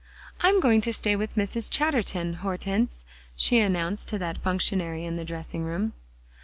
"I'm going to stay with Mrs. Chatterton, Hortense," she announced to that functionary in the dressing room.